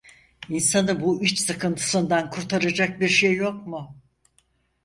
İnsanı bu iç sıkıntısından kurtaracak bir şey yok mu?